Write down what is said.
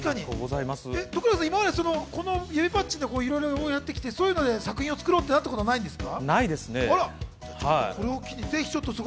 徳永さん、今まで指パッチンやってきて、それで作品を作ろうと思ったことないんですか？